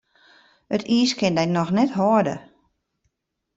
It iis kin dy noch net hâlde.